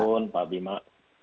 mas misbakun pak bima